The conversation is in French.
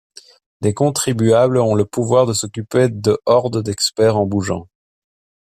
Des contribuables ont le pouvoir de s'occuper de hordes d'experts en bougeant.